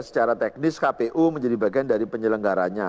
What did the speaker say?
secara teknis kpu menjadi bagian dari penyelenggaranya